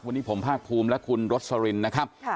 วันนี้ผมพากฮูมและคุณรสลุรินครับ